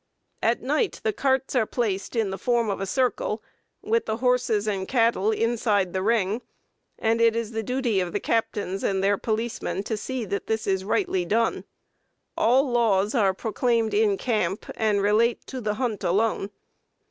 "At night the carts are placed in the form of a circle, with the horses and cattle inside the ring, and it is the duty of the captains and their policemen to see that this is rightly done. All laws are proclaimed in camp, and relate to the hunt alone.